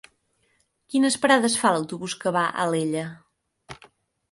Quines parades fa l'autobús que va a Alella?